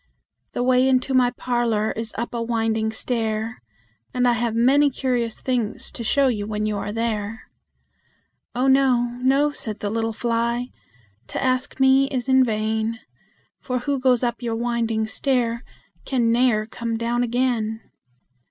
The way into my parlor is up a winding stair, And I have many curious things to show when you are there." "Oh no, no," said the little fly; "to ask me is in vain, For who goes up your winding stair can ne'er come down again."